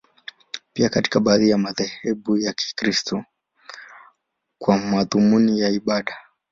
Pia katika baadhi ya madhehebu ya Kikristo, kwa madhumuni ya ibada.